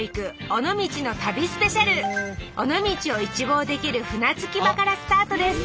尾道を一望できる船着き場からスタートです